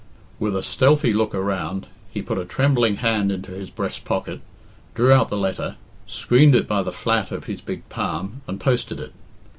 With a stealthy look around, he put a trembling hand into his breast pocket, drew out the letter, screened it by the flat of his big palm, and posted it.